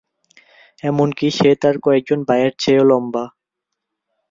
এমনকি সে তার কয়েকজন ভাইয়ের চেয়েও লম্বা।